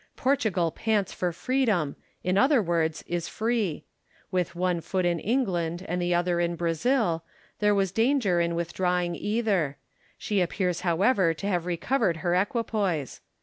Portugal pants for freedom, in other words is free. With one foot in England and the other in Brazil, there was danger in withdrawing either : she appears however to have recovered her equipoise.